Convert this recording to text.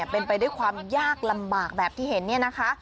เป็นไปด้วยความยากลำบากแบบที่เห็นเนี่ยนะคะ